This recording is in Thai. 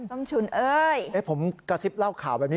ส้มฉุนเอ้ยผมกระซิบเล่าข่าวแบบนี้